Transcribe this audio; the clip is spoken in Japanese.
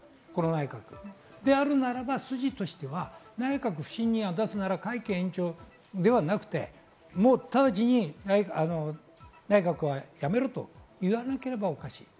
であるならば筋としては内閣信任案を出すなら会期延長ではなく、直ちに内閣は辞めると言わなければおかしいです。